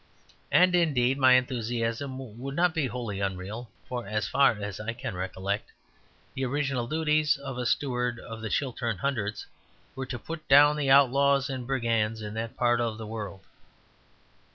And, indeed, my enthusiasm would not be wholly unreal. For as far as I can recollect the original duties of a Steward of the Chiltern Hundreds were to put down the outlaws and brigands in that part of the world.